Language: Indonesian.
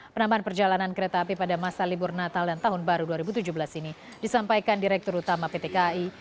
penambahan perjalanan kereta api pada masa libur natal dan tahun baru dua ribu tujuh belas ini disampaikan direktur utama pt kai